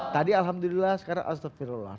tadi alhamdulillah sekarang astagfirullah